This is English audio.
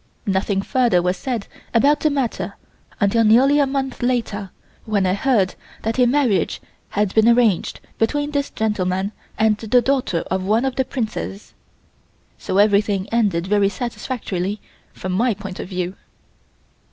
Nothing further was said about the matter until nearly a month later when I heard that a marriage had been arranged between this gentleman and the daughter of one of the princes. So everything ended very satisfactorily from my point of view.